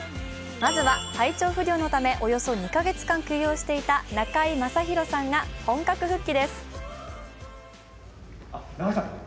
まずは、体調不良のためおよそ２か月間休養していた中居正広さんが本格復帰です。